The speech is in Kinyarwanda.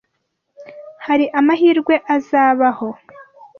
Hari amahirwe azabaho?